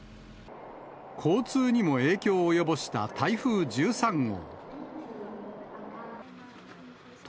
交通にも影響を及ぼした台風１３号。